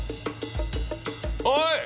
おい！